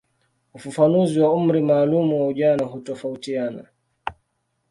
Ufafanuzi wa umri maalumu wa ujana hutofautiana.